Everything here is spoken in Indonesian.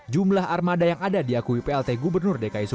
jumlah armada yang ada diakui plt gubernur dki jakarta